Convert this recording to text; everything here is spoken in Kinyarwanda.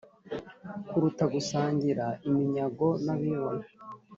kuruta gusangira iminyago n'abibone